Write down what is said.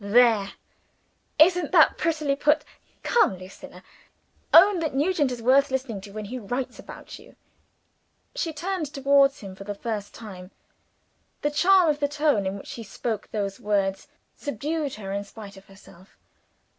There! Isn't that prettily put? Come Lucilla! own that Nugent is worth listening to when he writes about you!" She turned towards him for the first time. The charm of the tone in which he spoke those words subdued her, in spite of herself.